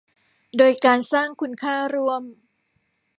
โดยการสร้างคุณค่าร่วม